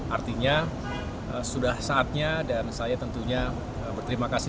artinya sudah saatnya dan saya tentunya berterima kasih